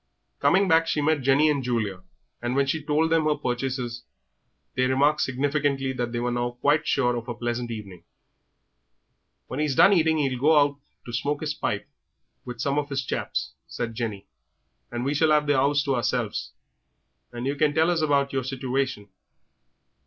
Coming back she met Jenny and Julia, and when she told them her purchases they remarked significantly that they were now quite sure of a pleasant evening. "When he's done eating 'e'll go out to smoke his pipe with some of his chaps," said Jenny, "and we shall have the 'ouse to ourselves, and yer can tell us all about your situation.